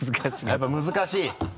やっぱ難しい？